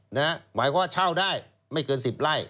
หมายความว่าเช่าได้ไม่เกิน๑๐ไร่